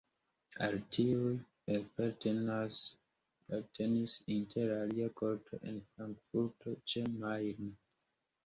Al tiuj apartenis inter alie korto en Frankfurto ĉe Majno.